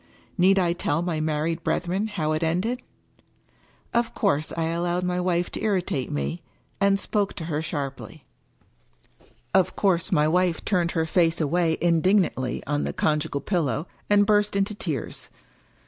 Need I tell my married brethren how it ended? Of course I allowed my wife to irritate me, and 5poke to her sharply. 255 English Mystery Stories Of course my wife turned her face away indignantly on the conjugal pillow, and burst into tears.